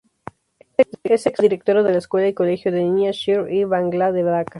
Es ex directora de "Escuela y Colegio de Niñas Sher-e-Bangla" de Daca.